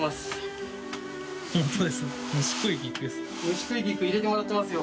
「虫食い菊」入れてもらってますよ